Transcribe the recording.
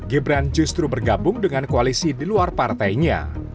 gibran justru bergabung dengan koalisi di luar partainya